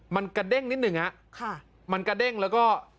มันกระเด้งนิดหนึ่งฮะมันกระเด้งแล้วก็